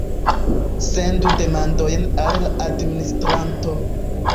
Sendu demandojn al la administranto.